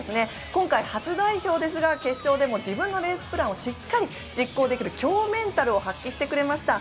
今回、初代表ですが決勝でも自分のレースプランを実行できる強メンタルを発揮してくれました。